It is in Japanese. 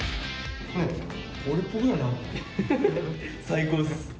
最高です。